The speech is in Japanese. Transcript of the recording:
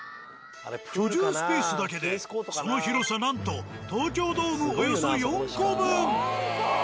居住スペースだけでその広さなんと東京ドームおよそ４個分。